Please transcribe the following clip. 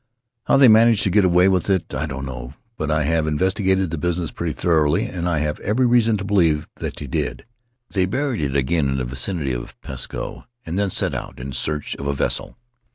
How they managed to get away with it I don't know; but I have investigated the business pretty thoroughly and I have every reason to believe that they did. They buried it again in the vicinity of Pisco, and then set out in search of a vessel.